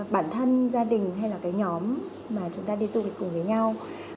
bản thân gia đình hay là cái nhóm mà chúng ta đi du lịch cùng với nhau